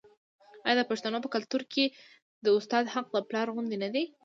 آیا د پښتنو په کلتور کې د استاد حق د پلار غوندې نه دی؟